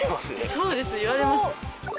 そうですね言われます。